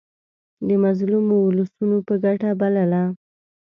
د مظلومو اولسونو په ګټه بلله.